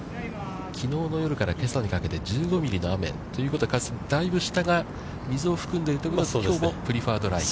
きのうの夜から、けさにかけて１５ミリの雨ということは、だいぶ下が水を含んでいるということは、きょうもプリファードライ。